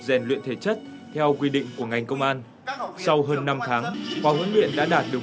rèn luyện thể chất theo quy định của ngành công an sau hơn năm tháng khóa huấn luyện đã đạt được